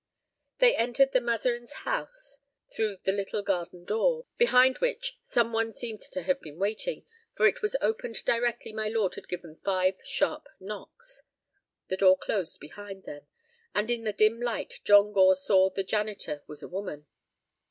They entered the Mazarin's house through the little garden door, behind which some one seemed to have been waiting, for it was opened directly my lord had given five sharp knocks. The door closed behind them, and in the dim light John Gore saw the janitor was a woman.